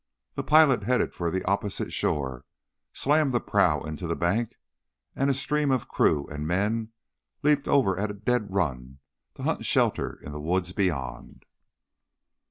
The pilot headed her for the opposite shore, slammed the prow into the bank, and a stream of crew and men leaped over at a dead run to hunt shelter in the woods beyond.